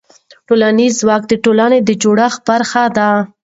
ټولنیز ځواک د ټولنې د جوړښت برخه ده.